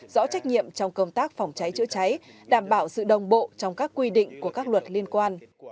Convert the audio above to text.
rõ trách nhiệm trong công tác phòng cháy chữa cháy đảm bảo sự đồng bộ trong các quy định của các luật liên quan